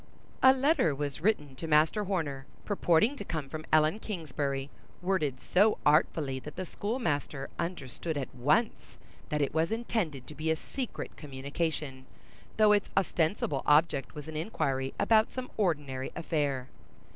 A letter was written to Master Horner, purporting to come from Ellen Kingsbury, worded so artfully that the schoolmaster understood at once that it was intended to be a secret communication, though its ostensible object was an inquiry about some ordinary affair.